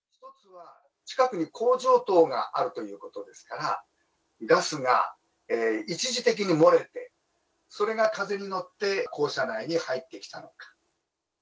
近くに工場等があるということですから、ガスが一時的に漏れて、それが風に乗って校舎内に入ってきたのか。